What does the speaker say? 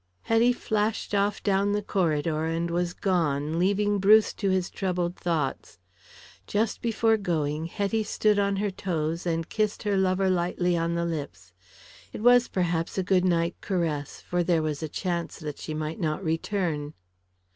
Hetty flashed off down the corridor, and was gone leaving Bruce to his troubled thoughts. Just before going, Hetty stood on her toes, and kissed her lover lightly on the lips. It was, perhaps, a goodnight caress, for there was a chance that she might not return.